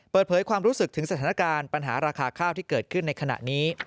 เปิดเผยความรู้สึกถึงสถานการณ์ปัญหาราคาข้าวที่เกิดขึ้นในขณะนี้